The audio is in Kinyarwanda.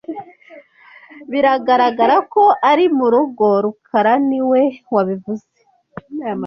Biragaragara ko ari murugo rukara niwe wabivuze